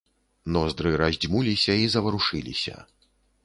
Ноздры раздзьмуліся і заварушыліся.